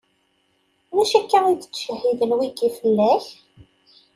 D acu akka i d-ttcehhiden wigi fell-ak?